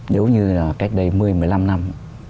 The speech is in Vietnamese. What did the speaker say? giống như là cách đây một mươi một mươi năm năm